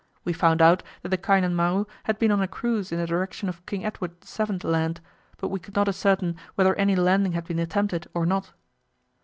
We found out that the Kainan Maru had been on a cruise in the direction of King Edward VII. Land; but we could not ascertain whether any landing had been attempted or not.